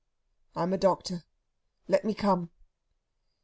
"I am a doctor; let me come."